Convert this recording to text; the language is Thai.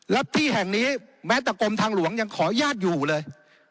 และที่แห่งนี้แม้แต่กรมทางหลวงยังขออนุญาตอยู่เลย